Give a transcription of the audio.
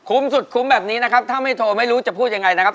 สุดคุ้มแบบนี้นะครับถ้าไม่โทรไม่รู้จะพูดยังไงนะครับ